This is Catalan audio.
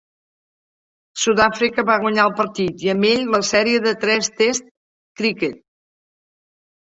Sudàfrica va guanyar el partit, i amb ell la sèrie de tres tests criquet.